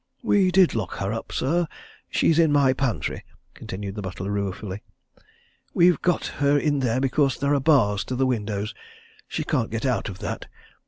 "We did lock her up, sir! She's in my pantry," continued the butler, ruefully. "We've got her in there because there are bars to the windows she can't get out of that.